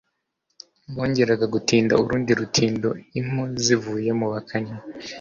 bongeraga gutinda urundi rutindo impu zivuye mu bakannyi